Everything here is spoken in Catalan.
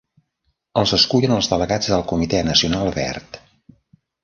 Els escullen els delegats del Comitè Nacional Verd.